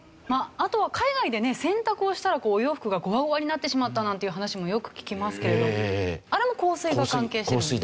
あとは海外でね洗濯をしたらお洋服がゴワゴワになってしまったなんていう話もよく聞きますけれどあれも硬水が関係してるんですね。